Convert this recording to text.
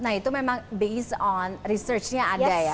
nah itu memang based on research nya ada ya